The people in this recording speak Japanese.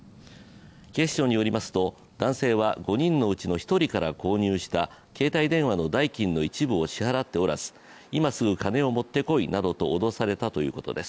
警視庁によりますと男性は５人のうちの１人から購入した携帯電話の代金の一部を支払っておらず今すぐ金を持ってこいなどと脅されたということです。